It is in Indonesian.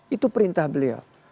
itu perintah beliau